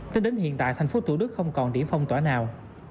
cho đến hiện tại thành phố thủ đức không còn điểm phong tỏa nào